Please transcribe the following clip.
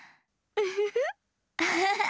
ウフフ。